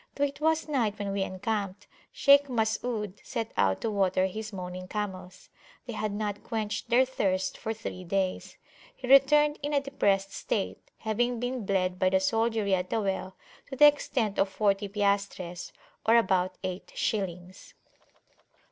Though it was night when we encamped, Shaykh Masud set out to water his moaning camels: they had not quenched their thirst for three days. He returned in a depressed state, having been bled by the soldiery at the well to the extent of forty piastres, or about eight shillings.